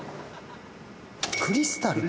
クリスタル？